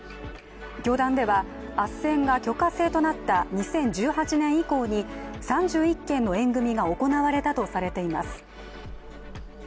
教団ではあっせんが許可制となった２０１８年以降に３１件の縁組が行われたとされています。